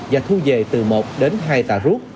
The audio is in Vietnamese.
và thu về từ một đến hai tà rút